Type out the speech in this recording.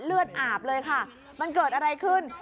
เลือดอาบเลยค่ะมันเกิดอะไรขึ้น